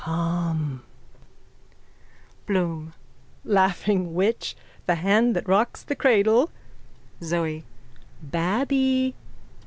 _ Come. BLOOM: Laughing witch! The hand that rocks the cradle. ZOE: Babby!